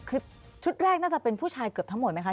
คือชุดแรกน่าจะเป็นผู้ชายเกือบทั้งหมดไหมคะ